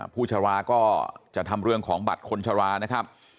ผู้ชราก็จะทำเรื่องของบัตรคนชรานะครับ